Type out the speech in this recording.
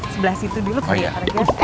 sebelah situ dulu pak regar